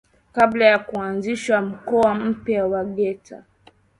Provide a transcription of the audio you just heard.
Kabla ya kuanzishwa mkoa mpya wa Geita